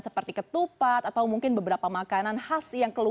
seperti ketupat atau mungkin beberapa makanan khas yang keluar